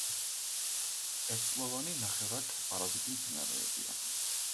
ერთწლოვანი, ნახევრად პარაზიტი მცენარეებია.